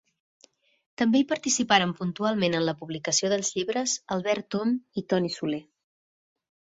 També hi participaren puntualment en la publicació dels llibres Albert Om i Toni Soler.